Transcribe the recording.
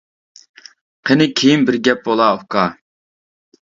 قېنى كېيىن بىر گەپ بولار ئۇكا.